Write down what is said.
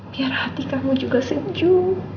biar hati kamu juga sejuk